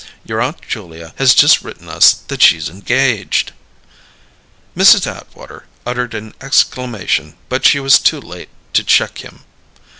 Your Aunt Julia has just written us that she's engaged." Mrs. Atwater uttered an exclamation, but she was too late to check him.